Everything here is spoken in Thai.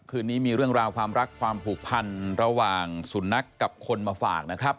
คืนนี้มีเรื่องราวความรักความผูกพันระหว่างสุนัขกับคนมาฝากนะครับ